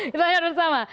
kita lihat bersama